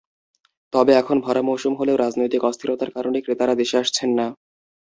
তবে এখন ভরা মৌসুম হলেও রাজনৈতিক অস্থিরতার কারণে ক্রেতারা দেশে আসছেন না।